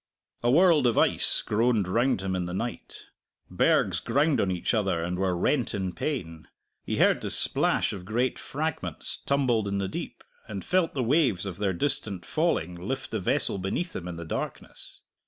A world of ice groaned round him in the night; bergs ground on each other and were rent in pain; he heard the splash of great fragments tumbled in the deep, and felt the waves of their distant falling lift the vessel beneath him in the darkness.